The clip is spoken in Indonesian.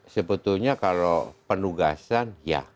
sebetulnya kalau penugasan ya